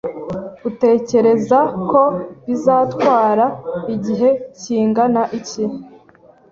Utekereza ko bizatwara igihe kingana iki?